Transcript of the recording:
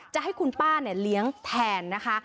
จะให้คุณป้าเลี้ยงแทนนะคะ